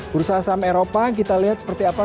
bursa saham eropa kita lihat seperti apa